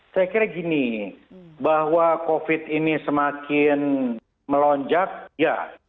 saya kira gini bahwa covid ini semakin melonjak ya